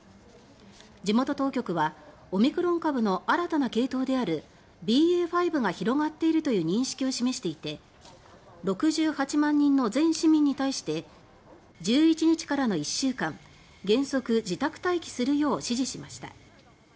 地元当局はオミクロン株の新たな系統であるＢＡ．５が広がっているという認識を示していて６８万人の全市民に対して１１日からの１週間原則自宅待機するよう指示しました。